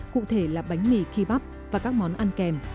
cụ thể là bánh mì kibak và các món ăn kèm